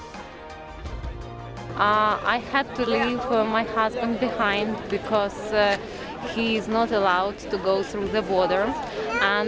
saya harus meninggalkan suami saya karena dia tidak dibenarkan untuk melalui perbatasan